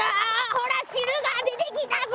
ほら汁が出てきたぞ！